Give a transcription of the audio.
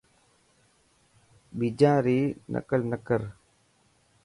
بيجان ري نقل نه ڪر.